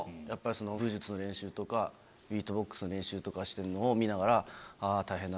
武術の練習とかビートボックスの練習とかしてるのを見ながら。